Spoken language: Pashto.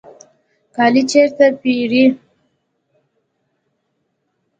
کالی چیرته پیرئ؟